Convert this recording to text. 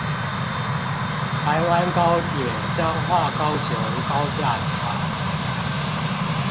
台灣高鐵彰化高雄高架橋